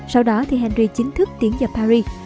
sau đó thì henry chính thức tiến vào paris